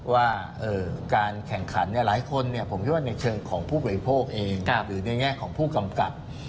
ว่าการแข่งขันหลายคนผมคิดว่าในเชิงของผู้บริโภคเองหรือในแง่ของผู้กำกับ